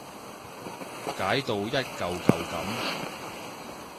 解到一舊舊噉